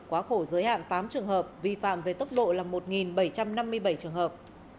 quá khổ giới hạn tám trường hợp vi phạm về tốc độ là một bảy trăm năm mươi bảy trường hợp